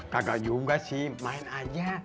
kakak juga sih main aja